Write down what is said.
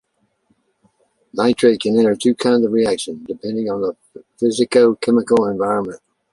Nitrite can enter two kinds of reaction, depending on the physico-chemical environment.